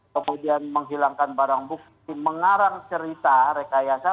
kemudian menghilangkan barang bukti mengarang cerita rekayasa